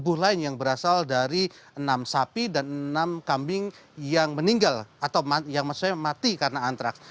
tubuh lain yang berasal dari enam sapi dan enam kambing yang meninggal atau yang maksudnya mati karena antraks